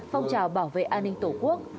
phong trào bảo vệ an ninh tổ quốc